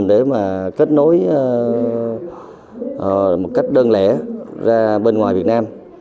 để mà kết nối một cách đơn lẻ ra bên ngoài việt nam